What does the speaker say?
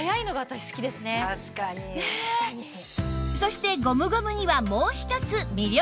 そしてゴムゴムにはもう一つ魅力が